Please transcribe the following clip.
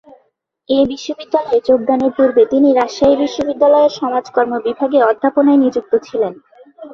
এ বিশ্ববিদ্যালয়ে যোগদানের পূর্বে তিনি রাজশাহী বিশ্ববিদ্যালয়ের সমাজকর্ম বিভাগে অধ্যাপনায় নিযুক্ত ছিলেন।